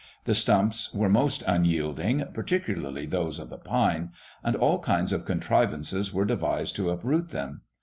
The stumps were most unyielding, particularly those of the pine; and all kinds of contrivances were devised to uproot them.